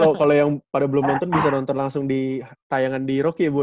kalau yang pada belum nonton bisa nonton langsung di tayangan di rooki ya bu ya